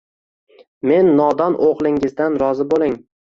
Men nodon o‘g‘lingizdan rozi bo‘ling!